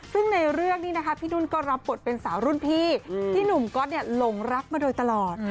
ซึ่งในเรื่องนี้นะคะพี่นุ่นก็รับบทเป็นสาวรุ่นพี่ที่หนุ่มก๊อตหลงรักมาโดยตลอด